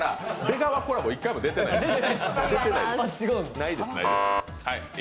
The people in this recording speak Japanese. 出川コラボ１回も出てないですから。